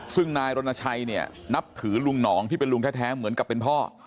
ซึ่งนายรณชัยเนี่ยนับถือลุงหนองที่เป็นลุงแท้เหมือนกับเป็นพ่อ